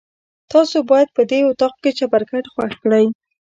تاسو باید په دې اطاق کې چپرکټ خوښ کړئ.